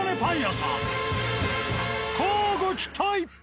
乞うご期待！